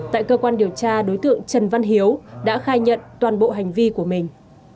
tại cơ quan điều tra đối tượng trần văn hiếu đã khai nhận toàn bộ hành vi của mình